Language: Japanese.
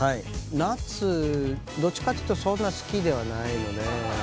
夏どっちかというとそんな好きではないので。